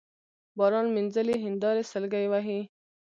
باران مينځلي هينداري سلګۍ وهي